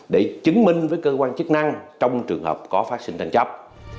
để chứng minh với cơ quan chức năng trong trường hợp có phát sinh tranh chấp